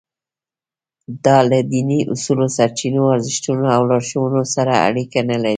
دا له دیني اصولو، سرچینو، ارزښتونو او لارښوونو سره اړیکه نه لري.